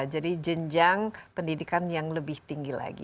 jadi jenjang pendidikan yang lebih tinggi lagi